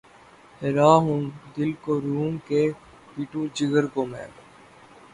حیراں ہوں‘ دل کو روؤں کہ‘ پیٹوں جگر کو میں